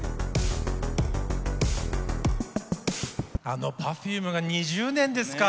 あのＰｅｒｆｕｍｅが２０年ですか。